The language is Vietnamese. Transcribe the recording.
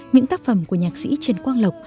những tác phẩm của nhạc sĩ trần quang lộc